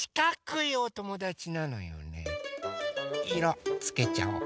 いろつけちゃおう。